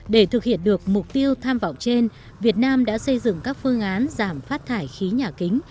để thực hiện được mục tiêu tham vọng trên việt nam đã xây dựng các phương án giảm phát thải khí nhà kính